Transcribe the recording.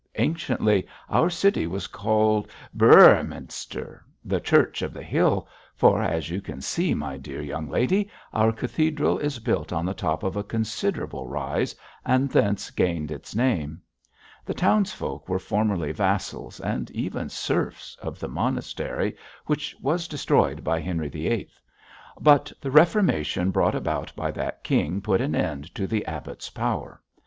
Anciently, our city was called Bëorhmynster, "the church of the hill," for, as you can see, my dear young lady, our cathedral is built on the top of a considerable rise, and thence gained its name. The townsfolk were formerly vassals, and even serfs, of the monastery which was destroyed by Henry VIII.; but the Reformation brought about by that king put an end to the abbot's power.